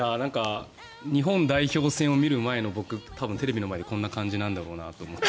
日本代表戦を見る前の僕多分、テレビの前でこんな感じなんだろうなと思って。